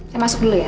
saya masuk dulu ya